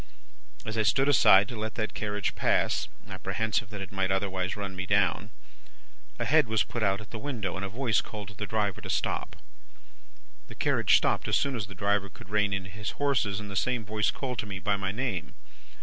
As I stood aside to let that carriage pass, apprehensive that it might otherwise run me down, a head was put out at the window, and a voice called to the driver to stop. "The carriage stopped as soon as the driver could rein in his horses, and the same voice called to me by my name.